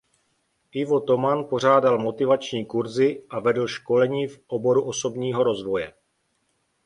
Ivo Toman pořádal motivační kurzy a vedl školení v oboru osobního rozvoje.